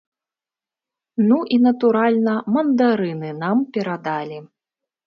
Ну і, натуральна, мандарыны нам перадалі.